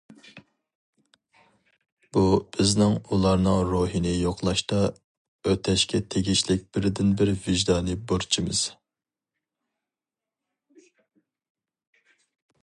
بۇ بىزنىڭ ئۇلارنىڭ روھىنى يوقلاشتا ئۆتەشكە تېگىشلىك بىردىنبىر ۋىجدانىي بۇرچىمىز.